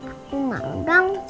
aku mau dong